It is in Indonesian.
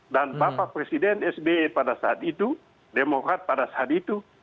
dan bapak presiden sbe pada saat itu